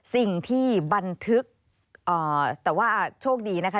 สิ่งที่บันทึกแต่ว่าโชคดีนะคะ